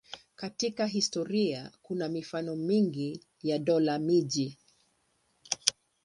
Katika historia kuna mifano mingi ya dola-miji.